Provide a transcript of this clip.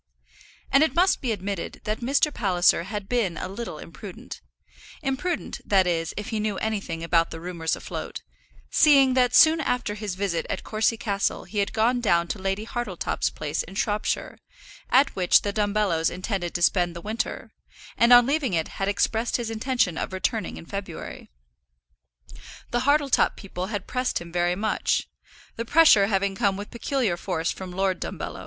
And it must be admitted that Mr. Palliser had been a little imprudent, imprudent, that is, if he knew anything about the rumours afloat, seeing that soon after his visit at Courcy Castle he had gone down to Lady Hartletop's place in Shropshire, at which the Dumbellos intended to spend the winter, and on leaving it had expressed his intention of returning in February. The Hartletop people had pressed him very much, the pressure having come with peculiar force from Lord Dumbello.